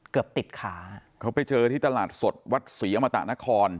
เกือบติดขาเขาไปเจอที่ตลาดสดวัดศรีอมตะนคร